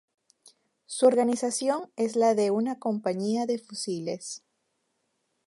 Su organización es la de una Compañía de Fusiles.